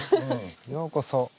ようこそ。